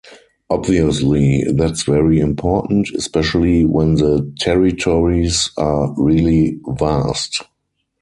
Obviously, that’s very important, especially when the territories are really vast.